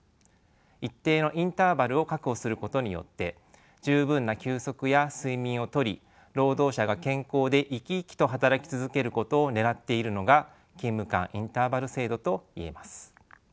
一定のインターバルを確保することによって十分な休息や睡眠をとり労働者が健康で生き生きと働き続けることをねらっているのが勤務間インターバル制度と言えます。